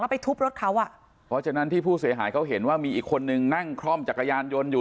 ไปทุบรถเขาอ่ะเพราะฉะนั้นที่ผู้เสียหายเขาเห็นว่ามีอีกคนนึงนั่งคล่อมจักรยานยนต์อยู่